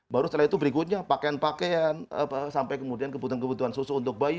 baru setelah itu berikutnya pakaian pakaian sampai kemudian kebutuhan kebutuhan susu untuk bayi